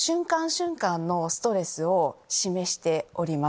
瞬間のストレスを示しております。